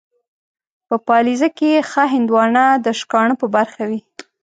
په پاليزه کې ښه هندوانه ، د شکاڼه په برخه وي.